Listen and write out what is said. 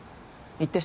行って。